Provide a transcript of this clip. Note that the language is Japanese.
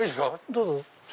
どうぞ。